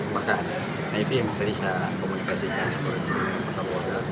nah itu yang berisah komunikasinya seperti itu